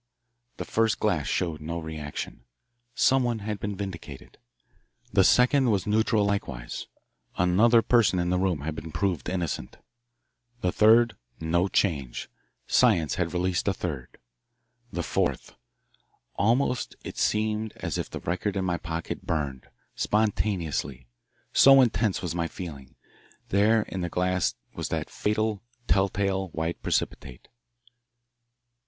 The first glass showed no reaction. Someone had been vindicated. The second was neutral likewise another person in the room had been proved innocent. The third no change. Science had released a third. The fourth Almost it seemed as if the record in my pocket burned spontaneously so intense was my feeling. There in the glass was that fatal, telltale white precipitate.